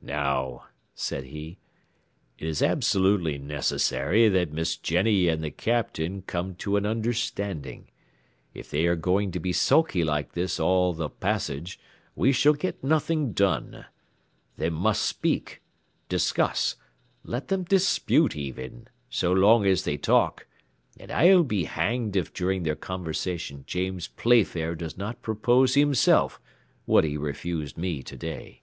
"Now," said he, "it is absolutely necessary that Miss Jenny and the Captain come to an understanding; if they are going to be sulky like this all the passage we shall get nothing done. They must speak, discuss; let them dispute even, so long as they talk, and I'll be hanged if during their conversation James Playfair does not propose himself what he refused me to day."